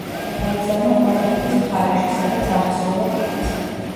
გაიგზავნა ვლადიმირის მხარეში, სადაც აღესრულა კიდეც.